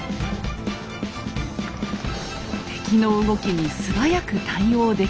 敵の動きに素早く対応できる。